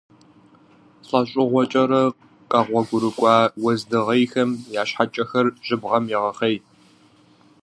ЛӀэщӀыгъуэкӀэрэ къэгъуэгурыкӀуа уэздыгъейхэм я щхьэкӀэхэр жьыбгъэм егъэхъей.